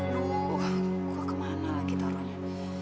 aduh gua kemana lagi taruhnya